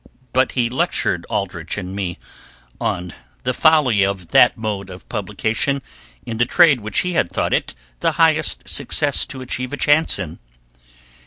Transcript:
But he lectured Aldrich and me on the folly of that mode of publication in the trade which we had thought it the highest success to achieve a chance in.